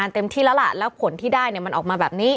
เต็มที่แล้วล่ะแล้วผลที่ได้มันออกมาแบบนี้